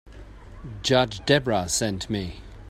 Judge Debra sent me.